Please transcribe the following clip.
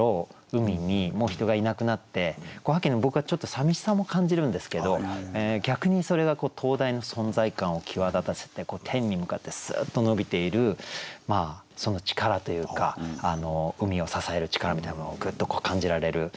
海にもう人がいなくなって秋の僕はちょっと寂しさも感じるんですけど逆にそれが灯台の存在感を際立たせて天に向かってスッと伸びているその力というか海を支える力みたいなものをグッと感じられる。